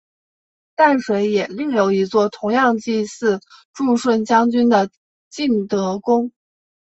淡水也另有一座同样祭祀助顺将军的晋德宫。